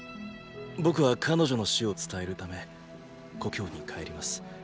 僕は彼女の死を伝えるため故郷に帰ります。